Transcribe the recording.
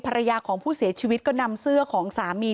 ภรรยาของผู้เสียชีวิตก็นำเสื้อของสามี